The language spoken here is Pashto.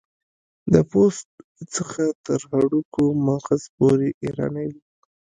د پوست څخه تر هډوکو مغز پورې ایرانی و.